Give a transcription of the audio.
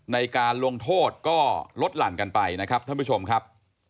ในการลงโทษก็ลดหลั่นกันไปนะครับท่านผู้ชมครับ